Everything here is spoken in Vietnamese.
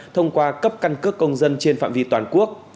thông qua cấp căn cước công dân trên phạm vi toàn quốc